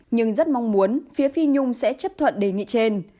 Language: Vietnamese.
nhưng rất mong muốn phía phi nhung sẽ chấp thuận đề nghị trên